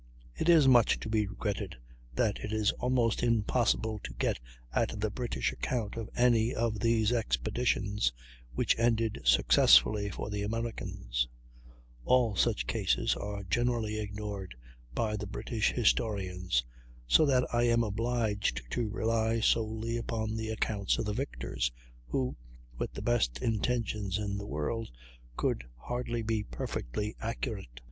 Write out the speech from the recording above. It is much to be regretted that it is almost impossible to get at the British account of any of these expeditions which ended successfully for the Americans; all such cases are generally ignored by the British historians; so that I am obliged to rely solely upon the accounts of the victors, who, with the best intentions in the world, could hardly be perfectly accurate.